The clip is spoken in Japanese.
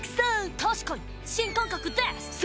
確かに新感覚です！